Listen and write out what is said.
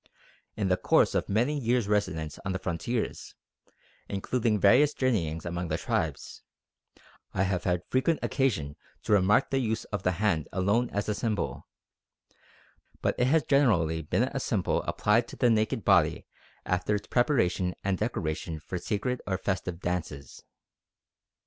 In the course of many years' residence on the frontiers, including various journeyings among the tribes, I have had frequent occasion to remark the use of the hand alone as a symbol, but it has generally been a symbol applied to the naked body after its preparation and decoration for sacred or festive dances.